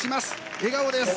笑顔です。